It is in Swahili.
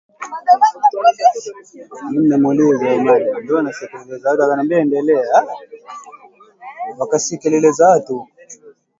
kwa watu matajiri ambao wanamiliki nyumba za kifahari